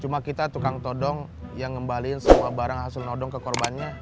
cuma kita tukang todong yang ngembalin semua barang hasil nodong ke korbannya